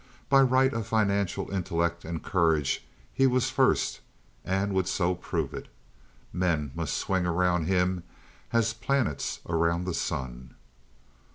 By right of financial intellect and courage he was first, and would so prove it. Men must swing around him as planets around the sun.